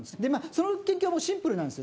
その研究はシンプルなんです。